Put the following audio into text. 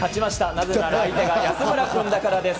なぜなら相手が安村君だからです。